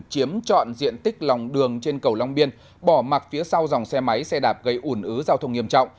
chiếm trọn diện tích lòng đường trên cầu long biên bỏ mặt phía sau dòng xe máy xe đạp gây ủn ứ giao thông nghiêm trọng